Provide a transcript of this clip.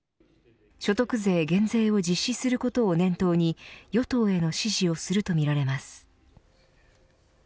所得税減税を実施することを念頭に与党への指示をするとみられます。